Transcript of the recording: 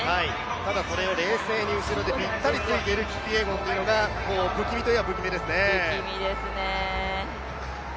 ただ、それを冷静に後ろでぴったりついているキピエゴンが不気味といえば不気味ですね。